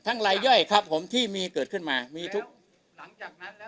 ลายย่อยครับผมที่มีเกิดขึ้นมามีทุกหลังจากนั้นแล้ว